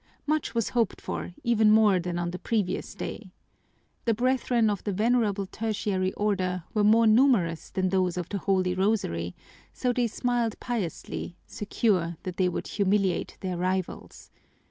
Much was hoped for, even more than on the previous day. The Brethren of the Venerable Tertiary Order were more numerous than those of the Holy Rosary, so they smiled piously, secure that they would humiliate their rivals.